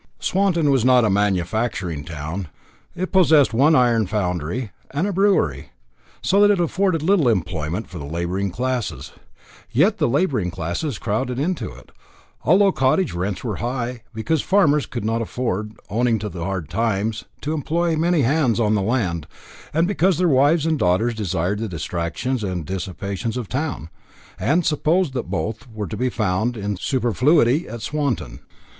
Swanton was not a manufacturing town. It possessed one iron foundry and a brewery, so that it afforded little employment for the labouring classes, yet the labouring classes crowded into it, although cottage rents were high, because the farmers could not afford, owing to the hard times, to employ many hands on the land, and because their wives and daughters desired the distractions and dissipations of a town, and supposed that both were to be found in superfluity at Swanton.